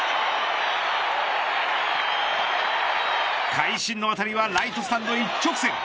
快心の当たりはライトスタンドへ一直線。